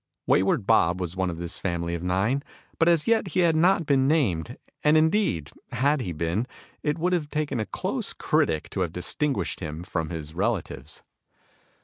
Wayward Bob was one of this family of nine, but as yet he had not been named, and, indeed, had he been, it would have taken a close critic to have distinguished him from his relatives.